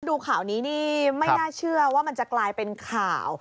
ดูข่าวนี้นี่ไม่น่าเชื่อว่ามันจะกลายเป็นข่าว